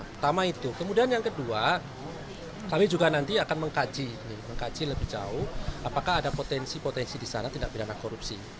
pertama itu kemudian yang kedua kami juga nanti akan mengkaji lebih jauh apakah ada potensi potensi di sana tindak pidana korupsi